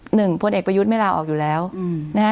หนึ่งผลเอกไปยุดไม่ราวออกอยู่แล้วนะคะ